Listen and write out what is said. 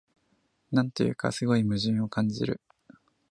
なんというか、すごい矛盾を感じる